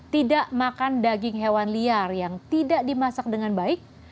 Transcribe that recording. tidak makan daging hewan liar yang tidak dimasak dengan baik